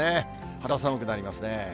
肌寒くなりますね。